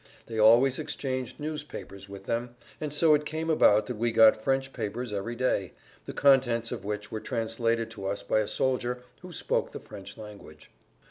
They always exchanged newspapers with them, and so it came about that we got French papers every day, the contents of which were translated to us by a soldier who spoke the French language.